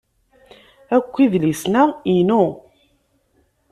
Akk idlisen-a inu.